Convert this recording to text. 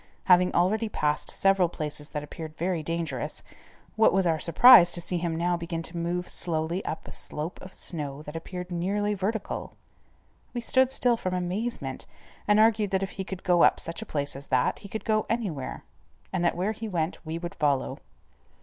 Having already passed several places that appeared very dangerous, what was our surprise to see him now begin to move slowly up a slope of snow that appeared nearly vertical. We stood still from amazement, and argued that if he could go up such a place as that, he could go anywhere, and that where he went we could follow.